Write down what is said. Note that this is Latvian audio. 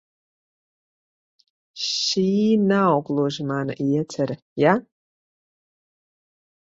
Šī nav gluži mana iecere, ja?